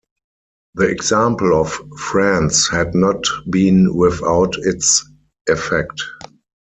The example of France had not been without its effect.